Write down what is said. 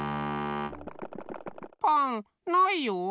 パンないよ。